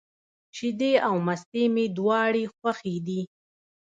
شیدې او مستې مي دواړي خوښي دي.